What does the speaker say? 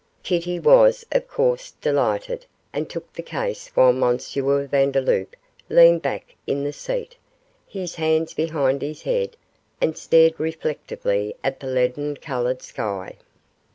Kitty was of course delighted, and took the case while M. Vandeloup leaned back in the seat, his hands behind his head, and stared reflectively at the leaden coloured sky.